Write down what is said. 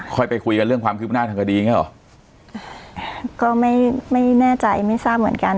ไปคุยกันเรื่องความคืบหน้าทางคดีอย่างเงี้หรอก็ไม่ไม่แน่ใจไม่ทราบเหมือนกัน